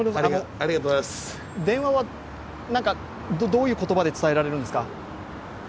電話は、どういう言葉で伝えられるんですか？